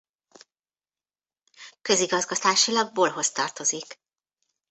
Közigazgatásilag Bolhoz tartozik.